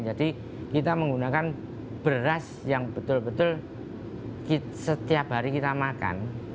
jadi kita menggunakan beras yang betul betul setiap hari kita makan